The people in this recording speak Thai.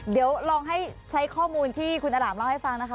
เดี๋ยวลองใช้ข้อมูลบัญชบไปที่คุณอร่ามเล่าให้ฟังนะคะ